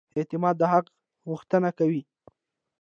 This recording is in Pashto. اعتماد د حق غوښتنه کوي.